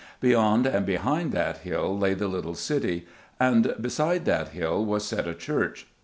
Beyond and behind that hill lay the little city, and beside that hill was set a church.